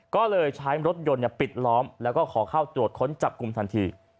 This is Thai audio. ก็เลยใช้รถยนต์ปิดล้อมแล้วก็ขอเข้าตรวจค้นจับกลุ่มทันที